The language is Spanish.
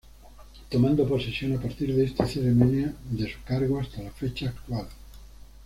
Tomando posesión a partir de esta ceremonia de su cargo, hasta la fecha actual.